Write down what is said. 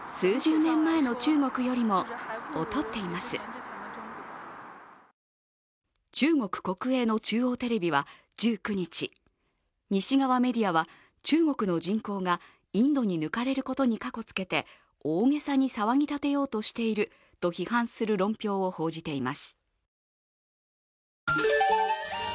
これに、北京の市民は中国国営の中央テレビは１９日、西側メディアは中国の人口がインドに抜かれることにかこつけて大げさに騒ぎ立てようとしていると批判する論評を報じています。